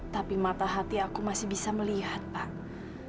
tapi mata hati aku masih bisa melihat pan